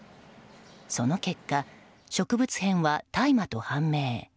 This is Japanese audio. その結果、植物片は大麻と判明。